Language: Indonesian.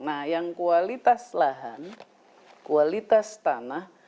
nah yang kualitas lahan kualitas tanah